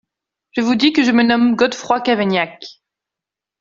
Je vous dis que je me nomme Godefroy Cavaignac.